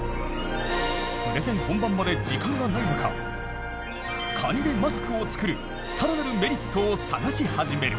プレゼン本番まで時間がない中カニでマスクを作るさらなるメリットを探し始める。